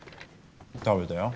食べたよ。